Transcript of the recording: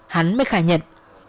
hắn mới khả nhận